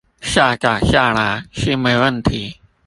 下載下來是沒問題